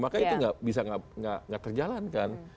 maka itu bisa nggak terjalankan